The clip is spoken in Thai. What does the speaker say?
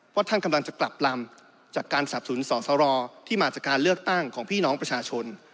ท่านกำลังจะกลับลำจากการสับสนสอสรที่มาจากการเลือกตั้งของพี่น้องประชาชน